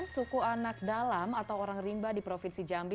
suku anak dalam atau orang rimba di provinsi jambi